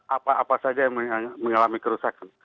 apa apa saja yang mengalami kerusakan